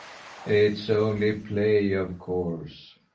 "It's only play, of course."